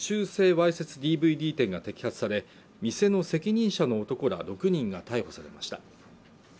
わいせつＤＶＤ店が摘発され店の責任者の男ら６人が逮捕されました